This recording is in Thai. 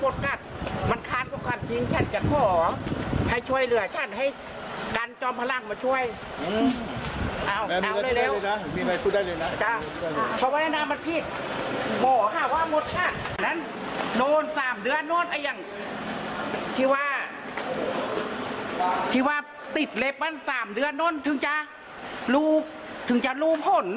ที่ว่าติดเล็บนั้น๓เดือนนั้นถึงจะรูผล